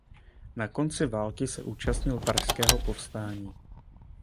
Na konci války se účastnil pražského povstání.